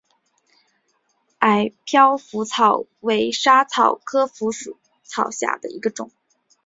矮飘拂草为莎草科飘拂草属下的一个种。